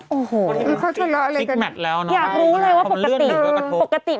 โอ้โฮคือเค้าจะเล่าอะไรกันนะครับผมเลื่อนหนึ่งก็กระทบอยากรู้เลยว่าปกติ